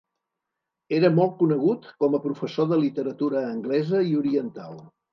Era molt conegut com a professor de literatura anglesa i oriental.